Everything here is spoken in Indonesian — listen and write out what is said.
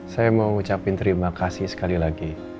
saya mau ucapin terima kasih sekali lagi